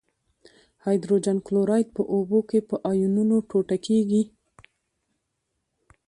هایدروجن کلوراید په اوبو کې په آیونونو ټوټه کیږي.